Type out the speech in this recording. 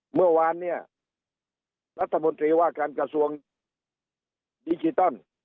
เมื่อวานเนี่ยรัฐมนตรีว่าการกระทรวงดิจิตอล